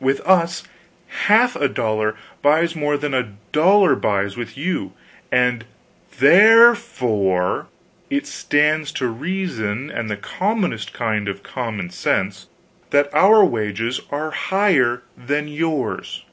With us half a dollar buys more than a dollar buys with you and THEREFORE it stands to reason and the commonest kind of common sense, that our wages are higher than yours."